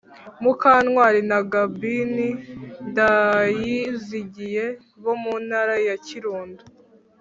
mukantwari na gabin ndayizigiye bo mu ntara ya kirundo